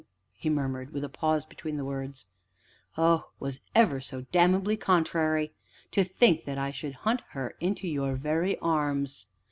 he murmured, with a pause between the words. "Oh, was ever anything so damnably contrary! To think that I should hunt her into your very arms!